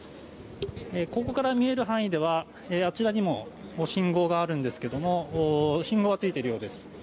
ここから見える範囲ではあちらにも信号があるんですけども信号がついているようです。